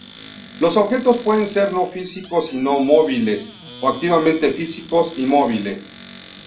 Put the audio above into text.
Los objetos pueden ser no físicos y no móviles, o activamente físicos y movibles.